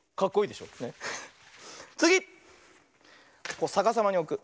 こうさかさまにおく。